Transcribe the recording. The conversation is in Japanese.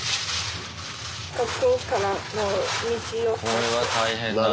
これは大変だね。